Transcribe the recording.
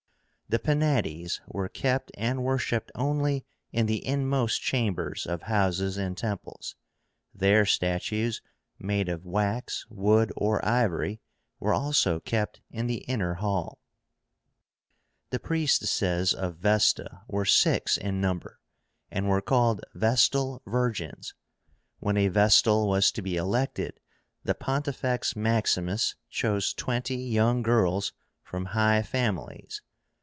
The PENÁTES were kept and worshipped only in the inmost chambers of houses and temples. Their statues, made of wax, wood, or ivory, were also kept in the inner hall. The priestesses of Vesta were six in number, and were called VESTAL VIRGINS. When a vestal was to be elected, the Pontifex Maximus chose twenty young girls from high families.